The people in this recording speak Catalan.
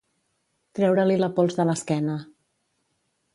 Treure-li la pols de l'esquena.